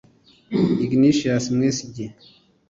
Ignasius Mwesigye